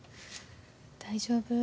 大丈夫？